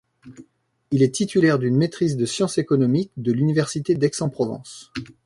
Il est titulaire d'une maîtrise de sciences économiques de l'université d'Aix-en-Provence.